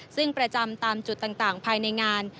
ซึ่งประจำตามจุดต่างภายในงาน